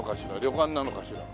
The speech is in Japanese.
旅館なのかしら？